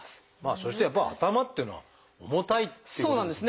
そしてやっぱ頭っていうのは重たいっていうことですよね。